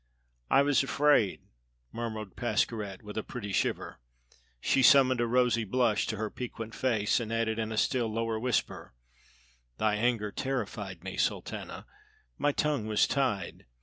"I was afraid," murmured Pascherette with a pretty shiver. She summoned a rosy blush to her piquant face and added in a still lower whisper: "Thy anger terrified me, Sultana. My tongue was tied.